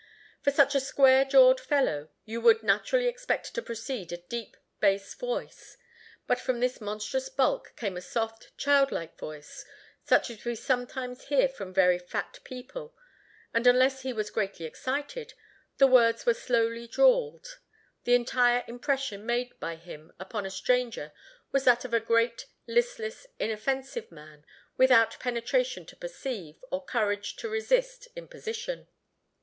From such a square jawed fellow you would naturally expect to proceed a deep bass voice; but from this monstrous bulk came a soft, child like voice, such as we sometimes hear from very fat people; and unless he was greatly excited, the words were slowly drawled: the entire impression made by him upon a stranger was that of a great, listless, inoffensive man, without penetration to perceive, or courage to resist, imposition.